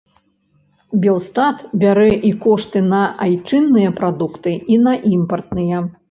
Белстат бярэ і кошты на айчынныя прадукты, і на імпартныя.